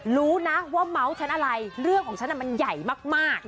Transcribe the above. รู้นะว่าเมาส์ฉันอะไรเรื่องของฉันมันใหญ่มาก